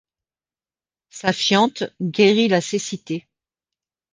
Sa fiente guérit la cécité.